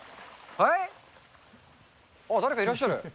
あれ、誰かいらっしゃる？